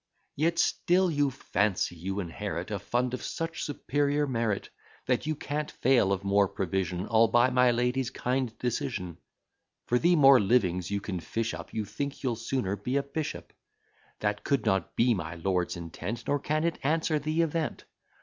Yet still you fancy you inherit A fund of such superior merit, That you can't fail of more provision, All by my lady's kind decision. For, the more livings you can fish up, You think you'll sooner be a bishop: That could not be my lord's intent, Nor can it answer the event.